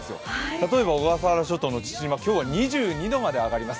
例えば小笠原諸島の父島、今日は２２度まで上がります。